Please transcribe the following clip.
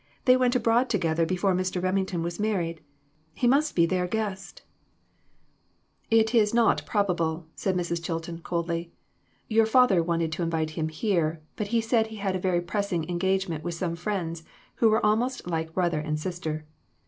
They went abroad together before Mr. Remington was mar ried. He must be their guest." EMBARRASSING QUESTIONS. 313 " It is not probable," said Mrs. Chilton, coldly. " Your father wanted to invite him here ; but he said he had a very pressing engagement with some friends who were almost like brother and sister.